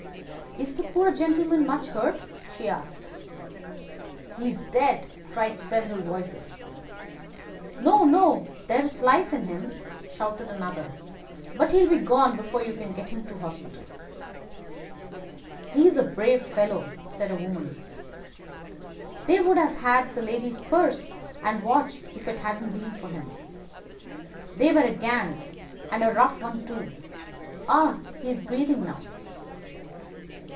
"Is the poor gentleman much hurt?" she asked. "He is dead," cried several voices. "No, no, there's life in him," shouted another. "But he'll be gone before you can get him to the hospital." "He's a brave fellow," said the woman. "They would have had the lady's purse and watch if it hadn't been for him. They were a gang, and a rough one, too. Ah! he's breathing now."